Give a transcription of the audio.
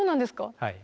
はい。